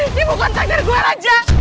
ini bukan takdir gue rejah